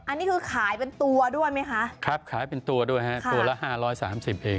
อันนี้คือขายเป็นตัวด้วยไหมคะครับขายเป็นตัวด้วยฮะตัวละห้าร้อยสามสิบเอง